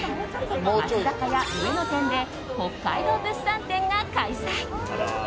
松坂屋上野店で北海道物産展が開催。